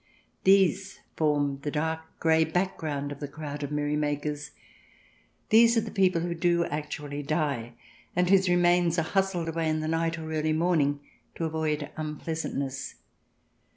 These form the dark, grey back ground of the crowd of merrymakers. These are the people who do actually die, and whose remains are hustled away in the night or early morning to avoid unpleasantness.